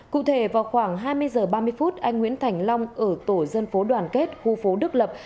cụ thể vào khoảng hai mươi h ba mươi phút anh nguyễn thành long ở tổ dân phố đoàn kết khu phố đức lập